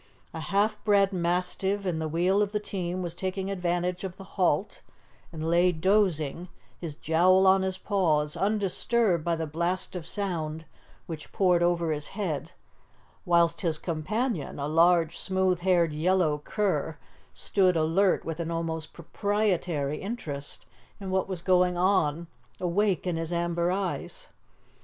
A half bred mastiff in the wheel of the team was taking advantage of the halt and lay dozing, his jowl on his paws, undisturbed by the blast of sound which poured over his head, whilst his companion, a large, smooth haired yellow cur, stood alert with an almost proprietary interest in what was going on awake in his amber eyes.